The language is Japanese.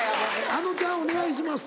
あのちゃんお願いします。